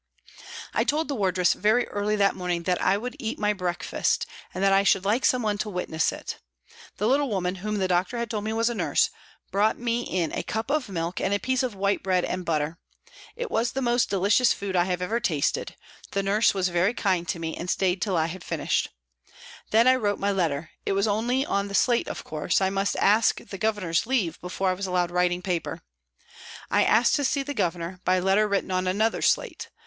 I told the wardress very early that morning that I would eat my breakfast, and that I should like someone to witness it. The little woman, whom the doctor had told me was a nurse, brought me in a cup of milk and a piece of white bread and butter. It was the most delicious food I have ever tasted ; the " nurse " was very kind to me and stayed till I had finished. Then I wrote my letter ; it was only on the slate, of course ; I must ask the Governor's leave before I was allowed writing paper. I asked to see the Governor, by letter written on another slate.